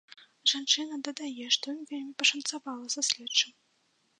Жанчына дадае, што ім вельмі пашанцавала са следчым.